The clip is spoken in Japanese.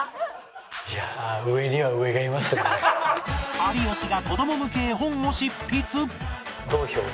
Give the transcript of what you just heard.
有吉が子供向け絵本を執筆